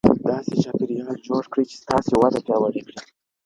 داسې چاپېریال جوړ کړئ چې ستاسې وده پیاوړې کړي.